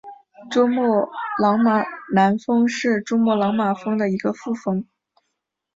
珠穆朗玛南峰是珠穆朗玛峰的一个副峰。